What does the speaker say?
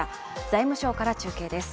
財務省から中継です。